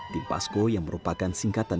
timpasko yang merupakan singkatan